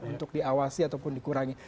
untuk diawasi ataupun dikurangi